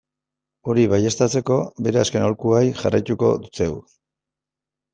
Hori baieztatzeko, bere azken aholkuari jarraitu diogu.